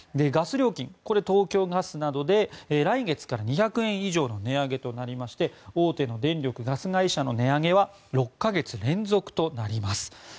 ガス料金、これは東京ガスなどで来月から２００円以上の値上げとなりまして大手電力、ガス会社の値上げは６か月連続となります。